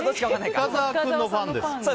深澤さんのファンです。